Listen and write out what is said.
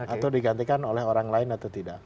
atau digantikan oleh orang lain atau tidak